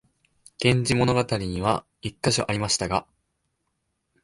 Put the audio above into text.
「源氏物語」には一カ所ありましたが、